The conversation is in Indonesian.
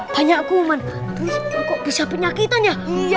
banyak kuman bisa penyakitnya